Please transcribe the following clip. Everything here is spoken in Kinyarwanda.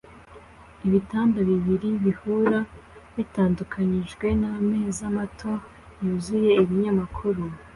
Ibitanda bibiri bihura bitandukanijwe nameza mato yuzuye ibinyamakuru